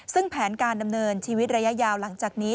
ซึ่งแผนการดำเนินชีวิตระยะยาวหลังจากนี้